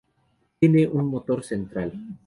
Tiene un motor central.